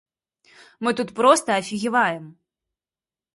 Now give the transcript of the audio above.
Мы тут проста афігеваем!